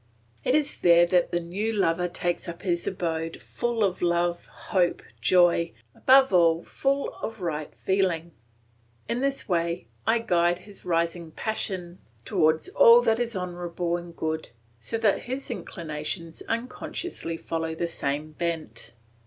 It is there that the new lover takes up his abode, full of love, hope, joy, above all full of right feeling. In this way, I guide his rising passion towards all that is honourable and good, so that his inclinations unconsciously follow the same bent.